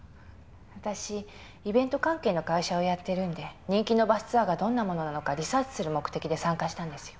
私イベント関係の会社をやってるんで人気のバスツアーがどんなものなのかリサーチする目的で参加したんですよ。